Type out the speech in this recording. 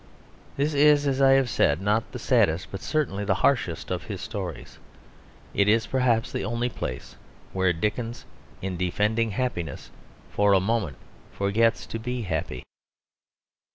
This is, as I have said, not the saddest, but certainly the harshest of his stories. It is perhaps the only place where Dickens, in defending happiness, for a moment forgets to be happy.